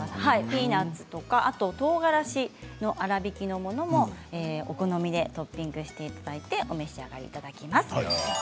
ピーナツとか、とうがらしの粗びきのものをお好みでトッピングしていただいてお召し上がりいただきます。